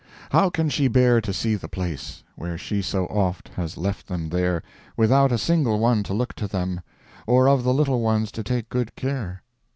How can she bear to see the place, Where she so oft has left them there, Without a single one to look to them, Or of the little ones to take good care.